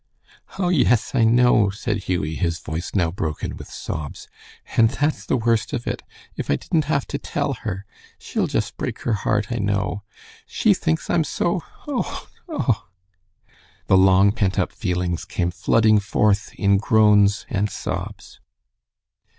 "Oh, yes, I know," said Hughie, his voice now broken with sobs, "and that's the worst of it. If I didn't have to tell her! She'll just break her heart, I know. She thinks I'm so oh, oh " The long pent up feelings came flooding forth in groans and sobs.